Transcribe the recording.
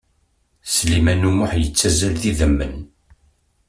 Sliman U Muḥ yettazzal d idamen.